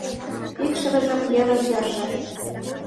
Икшывыжым йырым-йырже